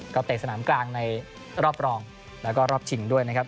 ก็เตะสนามกลางในรอบรองแล้วก็รอบชิงด้วยนะครับ